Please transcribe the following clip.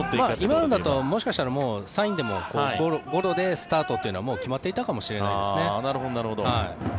今のだと、もしかしたらサインでもゴロでスタートというのはもう決まっていたかもしれないですね。